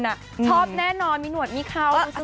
ชอบแน่นอนมีหนวดมีเคราะห์